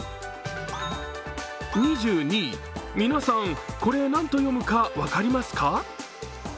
２２位、皆さん、これなんと読むか分かりますか？